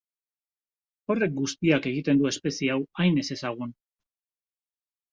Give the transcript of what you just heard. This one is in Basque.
Horrek guztiak egiten du espezie hau hain ezezagun.